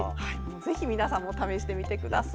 ぜひ皆さんも試してみてください。